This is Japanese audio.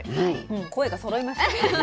声がそろいましたね。